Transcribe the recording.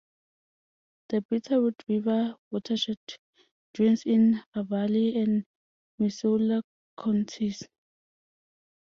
The Bitterroot River watershed drains in Ravalli and Missoula counties.